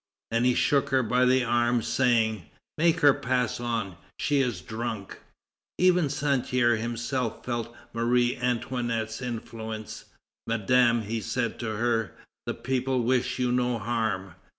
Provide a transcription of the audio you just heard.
And he shook her by the arm, saying: "Make her pass on, she is drunk." Even Santerre himself felt Marie Antoinette's influence. "Madame," he said to her, "the people wish you no harm.